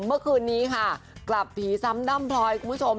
เมื่อคืนนี้ค่ะกลับผีซ้ำด้ำพลอยคุณผู้ชม